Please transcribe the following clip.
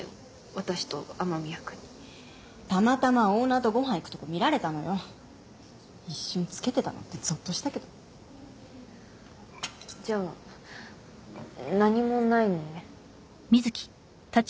私と雨宮君にたまたまオーナーとご飯行くとこ見られたのよ一瞬つけてたの？ってゾッとしたけどじゃあ何もないのね？